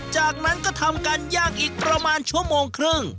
จากนั้นก็ทำการย่างอีกประมาณชั่วโมงครึ่ง